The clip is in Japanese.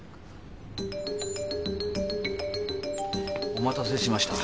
お待たせしました。